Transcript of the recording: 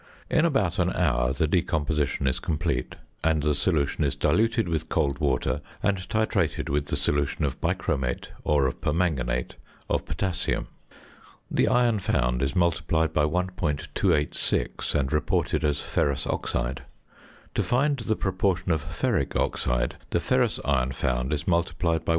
In about an hour the decomposition is complete, and the solution is diluted with cold water, and titrated with the solution of bichromate or of permanganate of potassium. The iron found is multiplied by 1.286, and reported as ferrous oxide. To find the proportion of ferric oxide, the ferrous iron found is multiplied by 1.